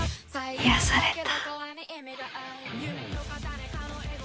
癒やされた。